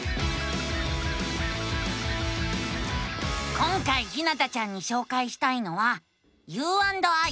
今回ひなたちゃんにしょうかいしたいのは「ｕ＆ｉ」。